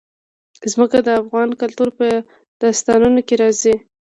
ځمکه د افغان کلتور په داستانونو کې راځي.